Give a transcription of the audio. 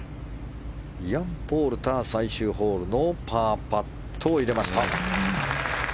イアン・ポールター最終ホールのパーパット入れました。